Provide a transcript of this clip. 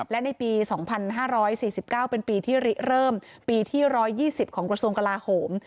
และในปี๒๕๔๙เป็นปีที่ริเริ่มปีที่๑๒๐ของกระทรวงกลาโหม